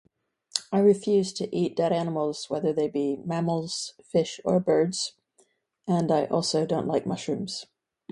I refuse to eat dead animals, whether they be mammals, fish or birds. And I also don't like mushrooms.